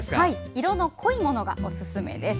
色の濃いものがおすすめです。